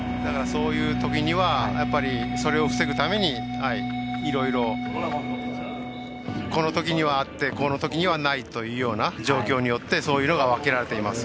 そういうときにはそれを防ぐために、いろいろこのときにはあってこのときにはないっていうような状況によって、分けられています。